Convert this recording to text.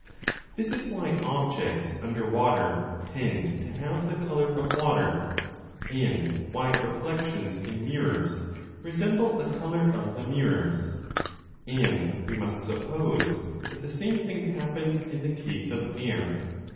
This is why objects under water tend to have the colour of water, and why reflections in mirrors resemble the colour of the mirrors, and we must suppose that the same thing happens in the case of air.